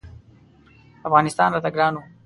افغانستان راته ګران و.